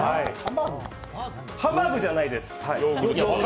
ハンバーグじゃないです。